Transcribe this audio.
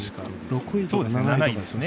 ６位とか７位ですね。